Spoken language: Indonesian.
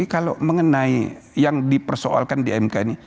kalau mengenai yang dipersoalkan di mk ini